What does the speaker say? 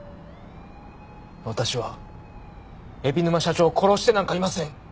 私は海老沼社長を殺してなんかいません。